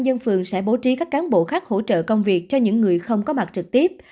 dân phường sẽ bố trí các cán bộ khác hỗ trợ công việc cho những người không có mặt trực tiếp